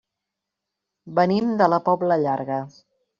Venim de la Pobla Llarga.